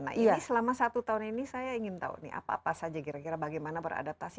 nah ini selama satu tahun ini saya ingin tahu nih apa apa saja kira kira bagaimana beradaptasi